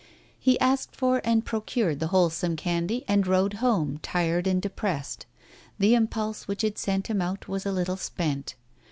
He asked for and procured the wholesome candy, and rode home, tired and depressed. The impulse which had sent him out was a little spent.